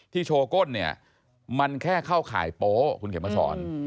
โชว์ก้นเนี่ยมันแค่เข้าข่ายโป๊คุณเขียนมาสอน